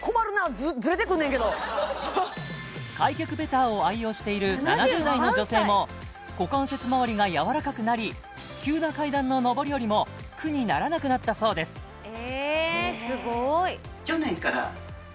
開脚ベターを愛用している７０代の女性も股関節周りが柔らかくなり急な階段の上り下りも苦にならなくなったそうですえ